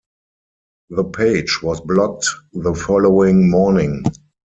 The page was blocked the following morning.